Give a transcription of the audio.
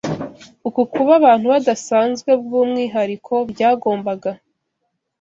Uku kuba abantu badasanzwe b’umwihariko byagombaga